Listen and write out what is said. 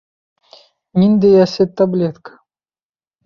Ниндәй әсе таблетка!